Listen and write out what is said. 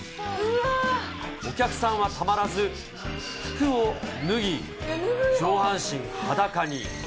お客さんはたまらず、服を脱ぎ、上半身裸に。